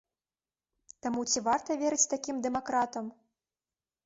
Таму ці варта верыць такім дэмакратам?